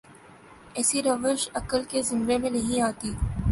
ایسی روش عقل کے زمرے میں نہیںآتی۔